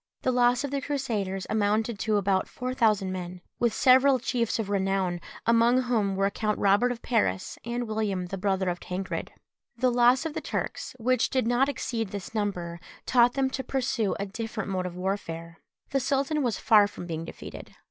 The loss of the Crusaders amounted to about four thousand men, with several chiefs of renown, among whom were Count Robert of Paris and William the brother of Tancred. The loss of the Turks, which did not exceed this number, taught them to pursue a different mode of warfare. The sultan was far from being defeated.